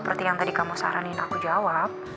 seperti yang tadi kamu saranin aku jawab